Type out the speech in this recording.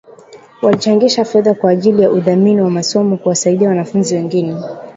Walichangisha fedha kwa ajili ya udhamini wa masomo kuwasaidia wanafunzi wengine